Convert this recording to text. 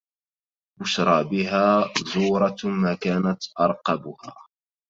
بشرى بها زورة ما كنت أرقبها